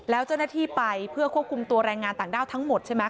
แล้วเจ้าหน้าที่ไปเพื่อควบคุมตัวแรงงานต่างด้าวทั้งหมดใช่ไหม